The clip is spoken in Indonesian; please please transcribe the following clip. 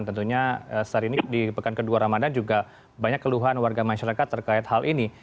tentunya saat ini di pekan kedua ramadan juga banyak keluhan warga masyarakat terkait hal ini